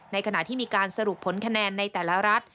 ขณะที่มีการสรุปผลคะแนนในแต่ละรัฐ